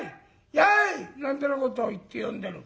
やい！」なんてなことを言って呼んでる。